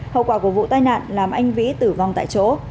hậu quả của vụ tai nạn làm anh vĩ tử vong tại chỗ